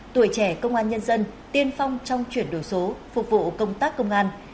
tuổi trẻ công an nhân dân tiên phong trong chuyển đổi số phục vụ công tác công an